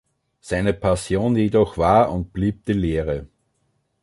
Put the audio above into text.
Seine Passion jedoch war und blieb die Lehre.